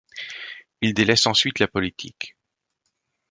Il délaisse ensuite la politique.